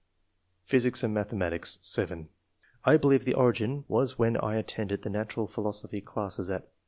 Physics and Mathematics. — (7) I believe the origin was when I attended the natural philosophy classes at